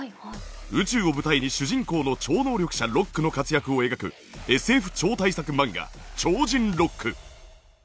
宇宙を舞台に主人公の超能力者ロックの活躍を描くＳＦ超大作漫画『超人ロック』。